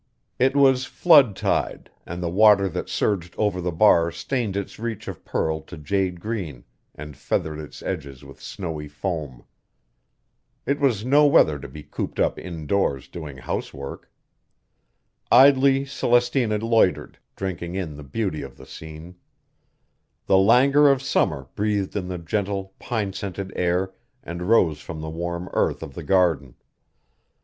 It was flood tide, and the water that surged over the bar stained its reach of pearl to jade green and feathered its edges with snowy foam. It was no weather to be cooped up indoors doing housework. Idly Celestina loitered, drinking in the beauty of the scene. The languor of summer breathed in the gentle, pine scented air and rose from the warm earth of the garden.